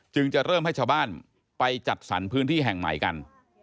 จะเริ่มให้ชาวบ้านไปจัดสรรพื้นที่แห่งใหม่กัน